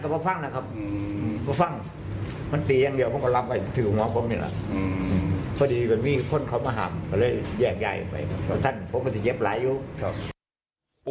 เพราะท่านพวกมันเย็บหลายอยู่